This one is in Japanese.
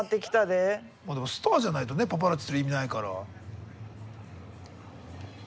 でもスターじゃないとねパパラッチする意味ないから。